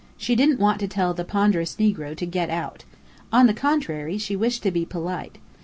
She didn't want to tell the ponderous negro to "get out." On the contrary, she wished to be polite.